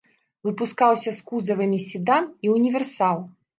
Выпускаўся з кузавамі седан і ўніверсал.